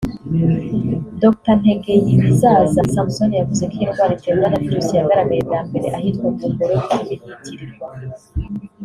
Dr Ntegeyibizaza Samson yavuze ko iyi ndwara iterwa na virus yagaragaye bwa mbere ahitwa Gumboro bituma ihitirirwa